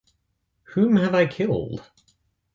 Whom have I killed?